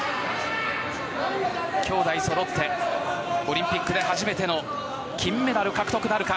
兄妹そろってオリンピックで初めての金メダル獲得なるか。